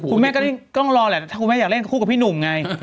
พี่แม่ก็ต้องรอเเหละแต่ถ้าพี่แม่ฉันอยากเล่นคู่กับพี่หนุ่มไง